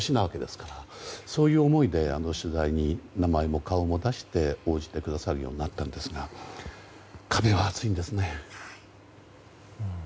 そういう思いで取材に名前も顔も出して応じてくださるようになったんですが壁は厚いんですね。